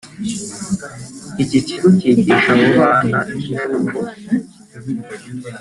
Iki kigo cyigisha abo bana ikinyabupfura